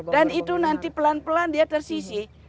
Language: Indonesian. dan itu nanti pelan pelan dia tersisi